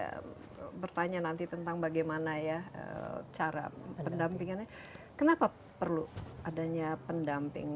saya bertanya nanti tentang bagaimana ya cara pendampingannya kenapa perlu adanya pendamping